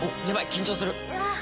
緊張する！